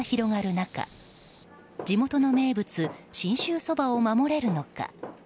中地元の名物信州そばを守れるのか。